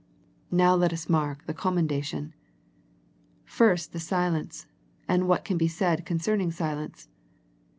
Now let us mark the commendation. First the silence, and what can be said concerning silence.